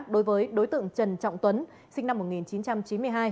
đối với đối tượng trần trọng tuấn sinh năm một nghìn chín trăm chín mươi hai